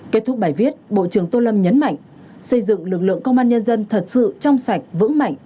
kết thúc bài viết bộ trưởng tô lâm nhấn mạnh xây dựng lực lượng công an nhân dân thật sự trong sạch vững mạnh